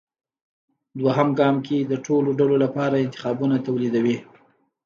دویم ګام کې د ټولو ډلو لپاره انتخابونه توليدوي.